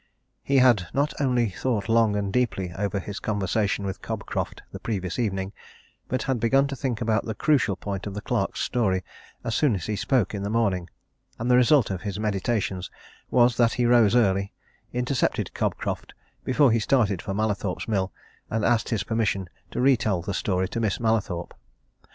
He had not only thought long and deeply over his conversation with Cobcroft the previous evening, but had begun to think about the crucial point of the clerk's story as soon as he spoke in the morning, and the result of his meditations was that he rose early, intercepted Cobcroft before he started for Mallathorpe's Mill and asked his permission to re tell the story to Miss Mallathorpe.